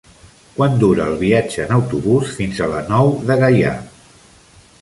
Quant dura el viatge en autobús fins a la Nou de Gaià?